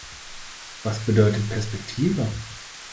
Was bedeutet Perspektive?